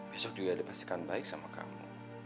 besok juga dia pasti akan baik sama kamu